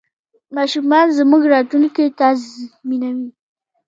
ماشومان زموږ راتلونکی تضمینوي.